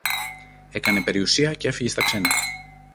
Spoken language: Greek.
έκανε περιουσία κι έφυγε στα ξένα